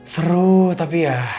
seru tapi ya